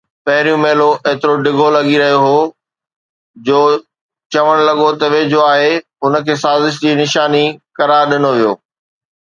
پهريون ميلو ايترو ڊگهو لڳي رهيو هو، جو چوڻ لڳو ته ويجهو آهي، ان کي سازش جي نشاني قرار ڏنو ويو